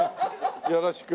よろしく。